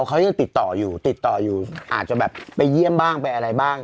เขายังติดต่ออยู่ติดต่ออยู่อาจจะแบบไปเยี่ยมบ้างไปอะไรบ้าง